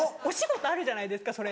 お仕事あるじゃないですか